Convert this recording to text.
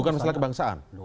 bukan masalah kebangsaan